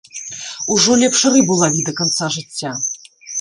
Ужо лепш рыбу лаві да канца жыцця.